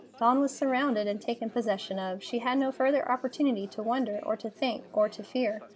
Dawn was surrounded and taken possession of. She had no further opportunity to wonder, or to think, or to fear.